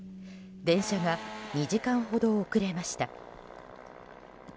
電車が２時間ほど遅れました。